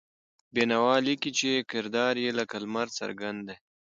بېنوا لیکي چې کردار یې لکه لمر څرګند دی.